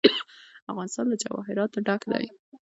افغانستان له جواهرات ډک دی.